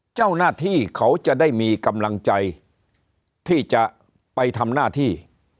เจ้าหน้าที่เขาจะได้มีกำลังใจที่จะไปทำหน้าที่